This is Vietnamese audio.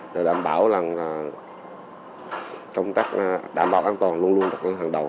để đảm bảo là công tác đảm bảo an toàn luôn luôn đặt lên hàng đầu